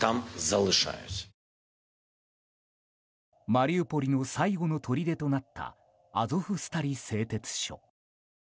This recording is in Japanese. マリウポリの最後のとりでとなったアゾフスタリ製鉄所。